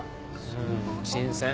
うん新鮮。